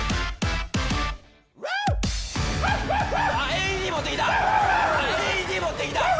ＡＥＤ持ってきたＡＥＤ持ってきた！